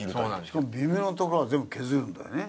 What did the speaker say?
しかも微妙な所は全部削るんだよね。